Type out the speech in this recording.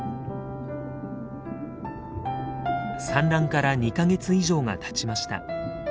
産卵から２か月以上がたちました。